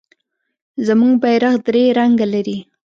زمونږ بیرغ درې رنګه لري.